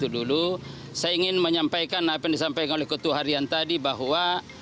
saya ingin menyampaikan apa yang disampaikan oleh ketua harian tadi bahwa